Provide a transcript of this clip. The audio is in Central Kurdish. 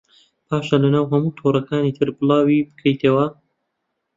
پاشان لەناو هەموو تۆڕەکانی تر بڵاوی بکەیتەوە